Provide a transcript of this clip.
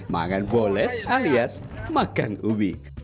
makan bolet alias makan ubi